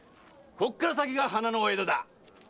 こっから先が花のお江戸だ。